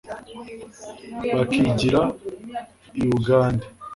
bakigira i bugande